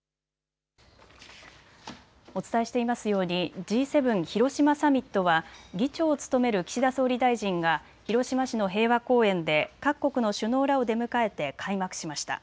お伝えしていますようにＧ７広島サミットは議長を務める岸田総理大臣が広島市の平和公園で各国の首脳らを出迎えて開幕しました。